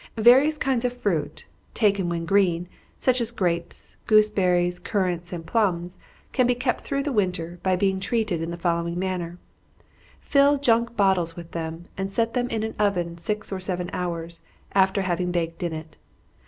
Various kinds of fruit, taken when green, such as grapes, gooseberries, currants, and plums, can be kept through the winter, by being treated in the following manner: Fill junk bottles with them, and set them in an oven six or seven hours, after having baked in it.